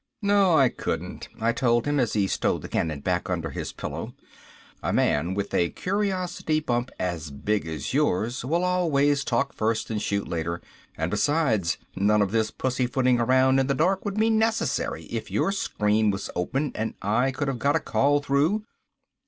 "No I couldn't," I told him, as he stowed the cannon back under his pillow. "A man with a curiosity bump as big as yours will always talk first and shoot later. And besides none of this pussyfooting around in the dark would be necessary if your screen was open and I could have got a call through."